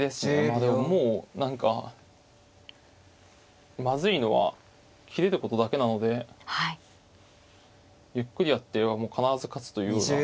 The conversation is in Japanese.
まあでももう何かまずいのは切れることだけなのでゆっくりやってれば必ず勝つというような。